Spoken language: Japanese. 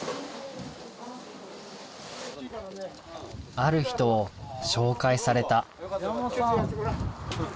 ある人を紹介された。